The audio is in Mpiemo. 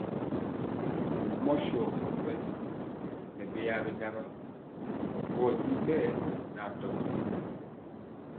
Mɔ sɔ wɛ nɛ beya biɗawa, wɔ ti ɓɛɛ nɛ atɔmbaa.